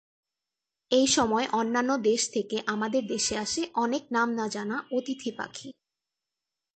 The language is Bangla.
এইসময় অন্যান্য দেশ থেকে আমাদের দেশে আসে অনেক নাম না জানা অতিথি পাখি।